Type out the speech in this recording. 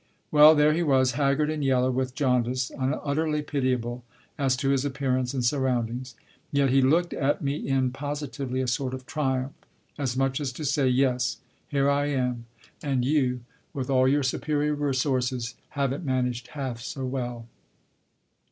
Well, there he was, haggard and yellow with jaundice, utterly pitiable as to his appearance and surroundings ; and yet he looked at me in, positively, a sort of triumph, as much as to say ;" Yes. Here I am. And you, with 32 Tasker Jevons all your superior resources, haven't managed half so well."